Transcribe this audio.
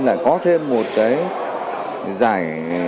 lại có thêm một cái